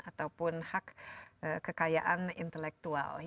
ataupun hak kekayaan intelektual